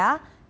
masih brit iya